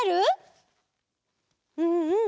うんうん。